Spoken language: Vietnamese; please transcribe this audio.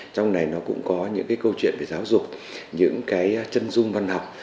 trong này cũng có những câu chuyện về giáo dục những chân dung văn học